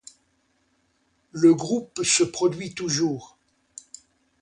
Le groupe se produit toujours.